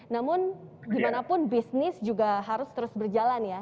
namun gimana pun bisnis juga harus terus berjalan ya